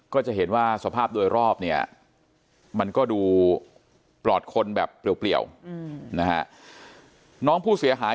ก็จะเห็นว่าสภาพโดยรอบเนี่ยมันก็ดูปลอดคนแบบเปลี่ยวนะฮะน้องผู้เสียหาย